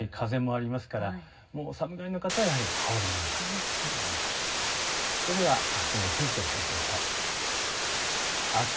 風もありますから寒がりの方はやはり羽織るものが必要だといえます。